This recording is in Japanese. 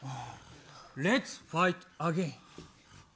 レッツファイトアゲイン。